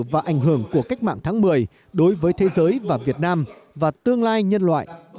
và ảnh hưởng của cách mạng tháng một mươi đối với thế giới và việt nam và tương lai nhân loại